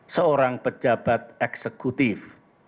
seorang pejabat eksekutif